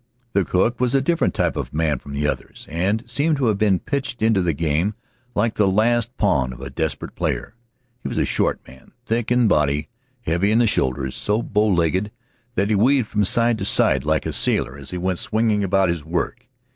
The cook was a different type of man from the others, and seemed to have been pitched into the game like the last pawn of a desperate player. He was a short man, thick in the body, heavy in the shoulders, so bow legged that he weaved from side to side like a sailor as he went swinging about his work.